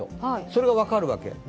それが分かるわけです。